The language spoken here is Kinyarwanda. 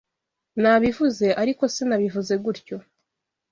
Nabivuze, ariko sinabivuze gutyo.